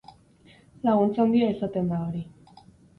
Laguntza handia izaten da hori.